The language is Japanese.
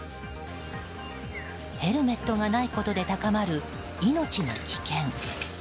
ヘルメットがないことで高まる命の危険。